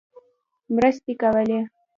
مرستې کولې.